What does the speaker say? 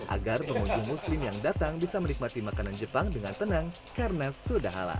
agar pengunjung muslim yang datang bisa menikmati makanan jepang dengan tenang karena sudah halal